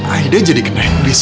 aida jadi kena bis